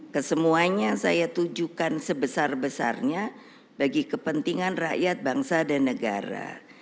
kesemuanya saya tujukan sebesar besarnya bagi kepentingan rakyat bangsa dan negara